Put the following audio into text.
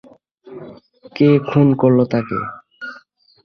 কে খুন করল তাকে?